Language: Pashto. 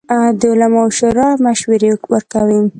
د علماوو شورا مشورې ورکوي